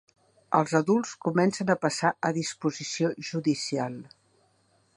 Els adults comencen a passar a disposició judicial.